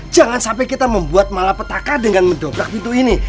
jangan sampai kita membuat malapetaka dengan mendobrak pintu ini